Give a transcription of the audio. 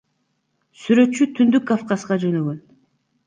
Сүрөтчү Түндүк Кавказга жөнөгөн.